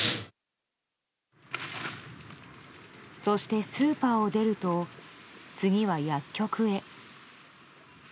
そしてスーパーを出ると、次は薬局へ。